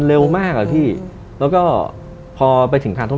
แล้วก็แสงยิ้ม